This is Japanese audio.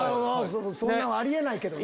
そんなんあり得ないけどね。